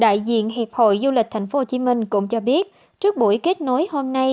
đại diện hiệp hội du lịch tp hcm cũng cho biết trước buổi kết nối hôm nay